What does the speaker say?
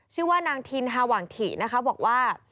ชื่อว่านางทินฮาหวังถินะคะบอกว่า